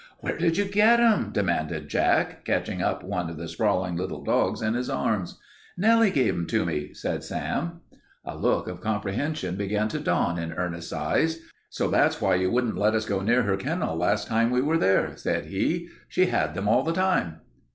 "Where did you get them?" demanded Jack, catching up one of the sprawling little dogs in his arms. "Nellie gave them to me," said Sam. A look of comprehension began to dawn in Ernest's eyes. "So that's why you wouldn't let us go near her kennel last time we were there," said he. "She had them all the time."